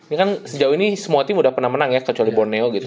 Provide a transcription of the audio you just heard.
ini kan sejauh ini semua tim udah pernah menang ya kecuali borneo gitu